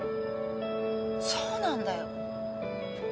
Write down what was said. そうなんだよ。